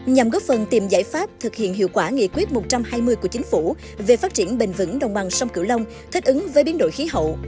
nhằm góp phần tìm giải pháp thực hiện hiệu quả nghị quyết một trăm hai mươi của chính phủ về phát triển bền vững đồng bằng sông cửu long thích ứng với biến đổi khí hậu